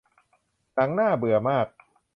หนังน่าเบื่อมาก